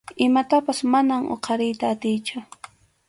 Imatapas manam huqariyta atiychu.